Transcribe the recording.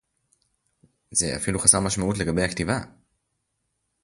זה אפילו חסר משמעות לגבי הכתיבה